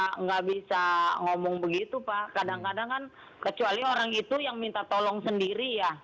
iya kalau kita nggak bisa ngomong begitu pak kadang kadang kan kecuali orang itu yang minta tolong sendiri ya